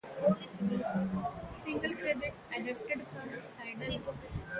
Single credits adapted from Tidal.